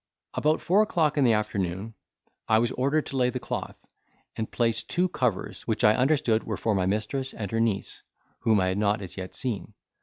About four o'clock in the afternoon I was ordered to lay the cloth, and place two covers, which I understood were for my mistress and her niece, whom I had not as yet seen.